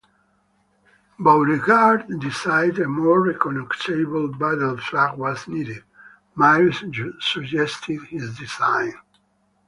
Beauregard decided a more recognizable Battle Flag was needed, Miles' suggested his design.